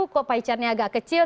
kok paychartnya agak kecil